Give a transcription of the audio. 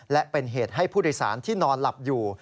และเป็นเหตุให้ผู้โดยสารที่นอนหลับอยู่